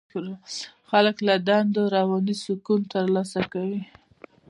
خلک له دندو رواني سکون ترلاسه کوي.